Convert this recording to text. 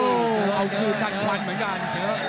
โอ้วเอาคือทันควันเหมือนกันเหลือ